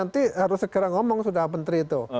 nanti harus segera ngomong sudah menteri itu